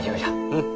うん。